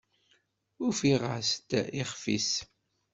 Ufiɣ-as-d iɣef-is!